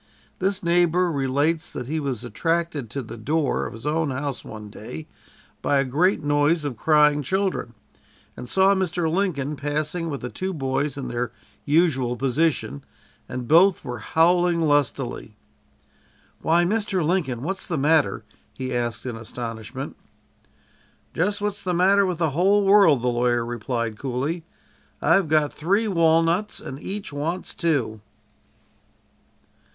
This neighbor relates that he was attracted to the door of his own house one day by a great noise of crying children, and saw Mr. Lincoln passing with the two boys in their usual position, and both were howling lustily. "Why, Mr. Lincoln, what's the matter?" he asked in astonishment. "Just what's the matter with the whole world," the lawyer replied coolly. "I've got three walnuts, and each wants two."